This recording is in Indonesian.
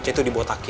tante itu dibotakin